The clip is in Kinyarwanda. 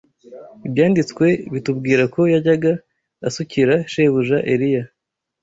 Ibyanditswe bitubwira ko yajyaga asukira shebuja Eliya